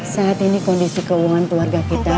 saat ini kondisi keuangan keluarga kita